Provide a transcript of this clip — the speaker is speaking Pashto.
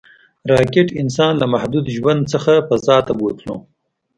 راکټ انسان له محدود ژوند نه فضا ته بوتلو